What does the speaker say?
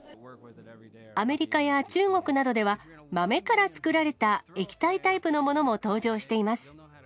アメリカや中国などでは、豆から作られた液体タイプのものも登場しています。